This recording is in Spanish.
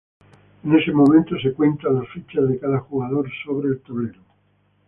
En ese momento se cuentan las fichas de cada jugador sobre el tablero.